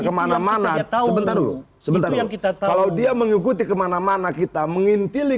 kemana mana tahu bentar dulu sebentar yang kita kalau dia mengikuti kemana mana kita mengintili